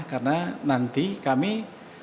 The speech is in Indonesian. karena nanti kita akan menemukan